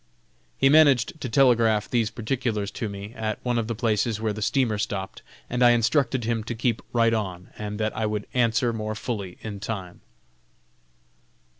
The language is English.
He managed to telegraph these particulars to me, at one of the places where the steamer stopped, and I instructed him to keep right on, and that I would answer more fully in time.